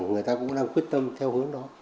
người ta cũng đang quyết tâm theo hướng đó